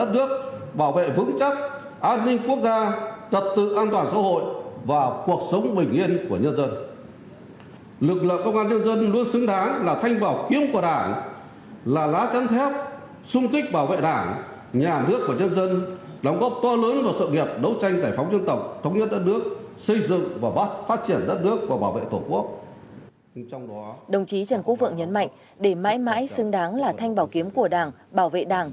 đồng chí trần quốc vượng nhấn mạnh để mãi mãi xứng đáng là thanh bảo kiếm của đảng bảo vệ đảng